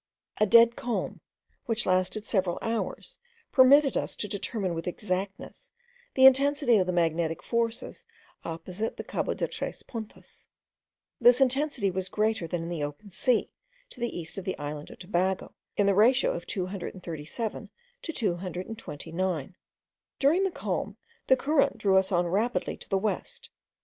A dead calm, which lasted several hours, permitted us to determine with exactness the intensity of the magnetic forces opposite the Cabo de tres Puntas. This intensity was greater than in the open sea, to the east of the island of Tobago, in the ratio of from 237 to 229. During the calm the current drew us on rapidly to the west.